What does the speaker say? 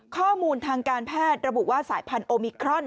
ข้อมูลทางการแพทย์ระบุว่าสายพันธุมิครอน